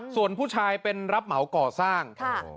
ส่วนผู้ชายเป็นรับเหมาก่อสร้าง